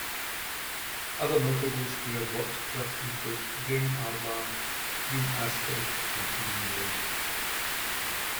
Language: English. Other notables he has worked with include Damon Albarn, Ian Astbury and Ian Brown.